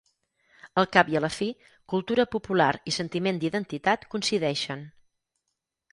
Al cap i a la fi, cultura popular i sentiment d’identitat coincideixen.